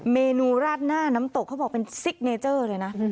เมนูราดหน้าน้ำตกเขาบอกเป็นซิกเนเจอร์เลยนะ